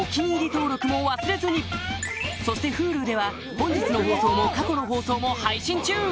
登録も忘れずにそしてＨｕｌｕでは本日の放送も過去の放送も配信中！